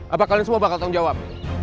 apa kalian semua bakal tanggung jawab